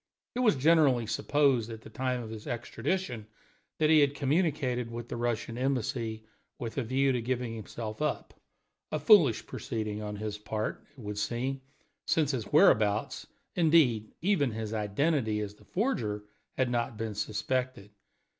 It was generally supposed at the time of his extradition that he had communicated with the Russian Embassy, with a view to giving himself up a foolish proceeding on his part, it would seem, since his whereabouts, indeed even his identity as the forger, had not been suspected.